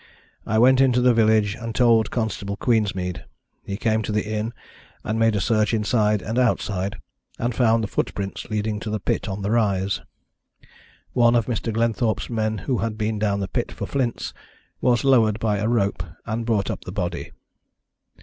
I went into the village and told Constable Queensmead. He came to the inn, and made a search inside and outside and found the footprints leading to the pit on the rise. One of Mr. Glenthorpe's men who had been down the pit for flints was lowered by a rope, and brought up the body."